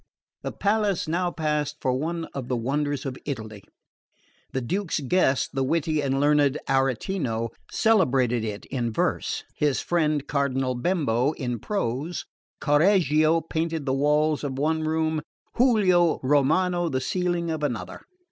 The palace now passed for one of the wonders of Italy. The Duke's guest, the witty and learned Aretino, celebrated it in verse, his friend Cardinal Bembo in prose; Correggio painted the walls of one room, Guilio Romano the ceiling of another.